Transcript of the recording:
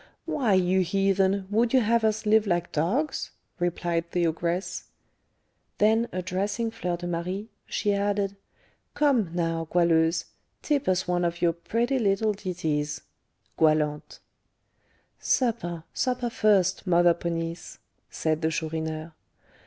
"Why, you heathen, would you have us live like dogs?" replied the ogress. Then addressing Fleur de Marie, she added, "Come, now, Goualeuse, tip us one of your pretty little ditties" (goualantes). "Supper, supper first, Mother Ponisse," said the Chourineur.